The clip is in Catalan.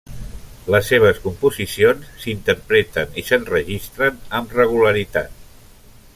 Les seves composicions s'interpreten i s'enregistren amb regularitat.